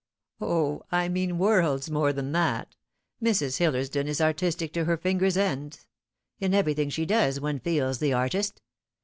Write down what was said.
"O, I mean worlds more than that. Mrs. Hillersdon is artistic to her fingers' ends. In everything she does one feels the artist.